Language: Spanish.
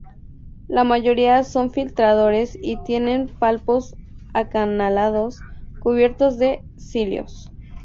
La mayoría son filtradores y tienen palpos acanalados cubiertos de cilios.